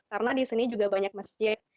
karena di sini juga banyak masjid